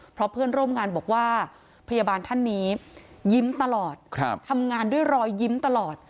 เพราะเพื่อนร่วมงานบอกว่าพยาบาลท่านนี้ยิ้มตลอดทำงานด้วยรอยยิ้มตลอด